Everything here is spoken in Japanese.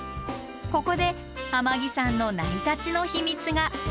ここで天城山の成り立ちの秘密が。